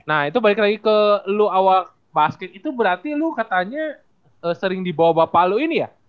nah itu balik lagi ke lo awal basket itu berarti lo katanya sering dibawa bapak lu ini ya